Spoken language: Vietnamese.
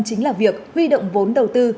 chính là việc huy động vốn đầu tư